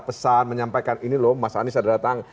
pesan menyampaikan ini loh mas anies ada datang